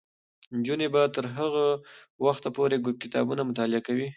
نجونې به تر هغه وخته پورې کتابونه مطالعه کوي.